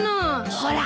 ほら！